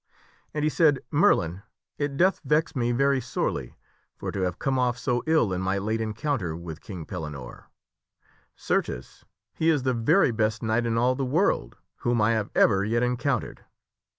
And he said, " Merlin, it doth vex me very sorely Kin Arthur for to have come off so ill in my late encounter with king desireth to re Pellinore. Certes, he is the very best knight in all the world newhis battle ' whom I have ever yet encountered.